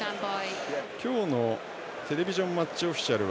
テレビジョンマッチオフィシャル。